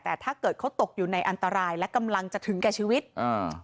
แต่ถ้าเกิดเขาตกอยู่ในอันตรายและกำลังจะถึงแก่ชีวิตอ่า